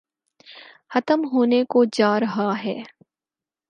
ختم ہونے کوجارہاہے۔